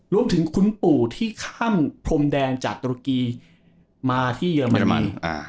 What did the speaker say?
รวมถึงคุณปู่ที่ข้ามพรมแดงจากตุรกีมาที่เยอรมัน